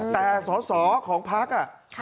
แต่สศของภักดิ์